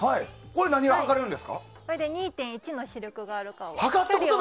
これで２．１の視力があるかが。